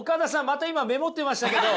また今メモってましたけど。